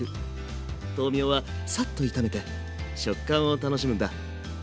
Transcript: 豆苗はサッと炒めて食感を楽しむんだ。